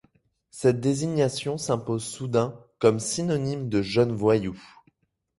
Cette désignation s'impose soudain comme synonyme de jeunes voyous.